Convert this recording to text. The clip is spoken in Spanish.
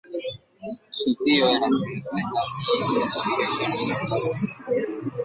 Su tío era triatleta y le sugirió que lo intentara.